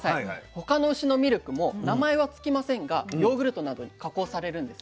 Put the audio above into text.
他の牛のミルクも名前は付きませんがヨーグルトなどに加工されるんですね。